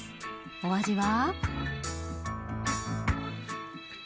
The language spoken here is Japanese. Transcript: お味は。